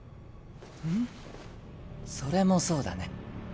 ふっそれもそうだね。